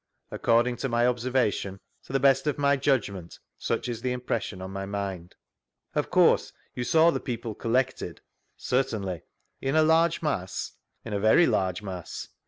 — According to my observation; to the best of my judgment; such is the inrnressicm on my mind. Of course you saw the people collected ^ ^Certalnly. In a large mass?— In a very large mass.